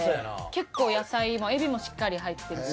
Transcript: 結構野菜も海老もしっかり入ってるし。